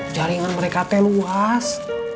jaringan mereka teh luas